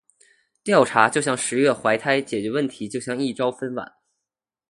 调查就像“十月怀胎”，解决问题就像“一朝分娩”。